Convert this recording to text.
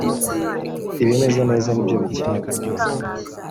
ibimeze neza nibyo bikenewe.